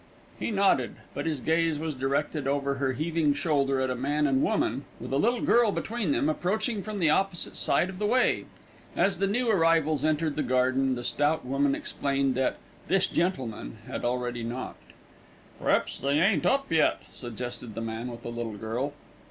He nodded; but his gaze was directed over her heaving shoulder at a man and woman, with a little girl between them, approaching from the opposite side of the way. As the new arrivals entered the garden, the stout woman explained that "this gentleman" had already knocked. "P'raps they ain't up yet," suggested the man with the little girl.